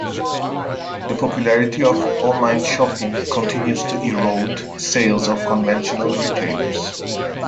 The popularity of online shopping continues to erode sales of conventional retailers.